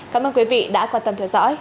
cảm ơn quý vị đã quan tâm theo dõi